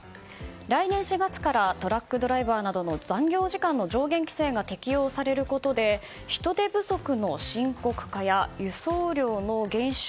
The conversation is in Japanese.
来年４月からトラックドライバーなどの残業時間の上限規制が適用されることで人手不足の深刻化や輸送量の減少。